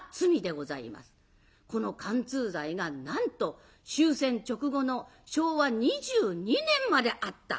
この姦通罪がなんと終戦直後の昭和２２年まであった。